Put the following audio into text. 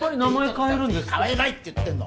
変えないって言ってんの！